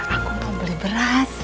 aku mau beli beras